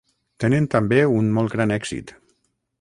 Tenen també un molt gran èxit.